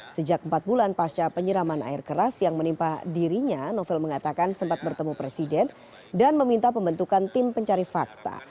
sejak empat bulan pasca penyiraman air keras yang menimpa dirinya novel mengatakan sempat bertemu presiden dan meminta pembentukan tim pencari fakta